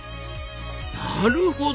なるほど。